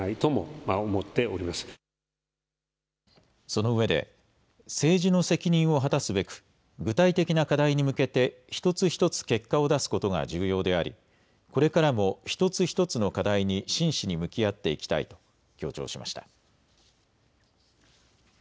そのうえで政治の責任を果たすべく具体的な課題に向けて一つ一つ結果を出すことが重要でありこれからも一つ一つの課題に真摯に向き合っていきたいと強調しました。